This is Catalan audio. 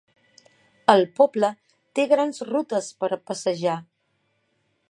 El poble té grans rutes per passejar.